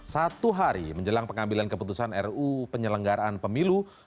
satu hari menjelang pengambilan keputusan ruu penyelenggaraan pemilu